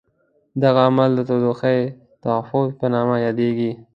دغه عمل د تودوخې تحفظ په نامه یادیږي.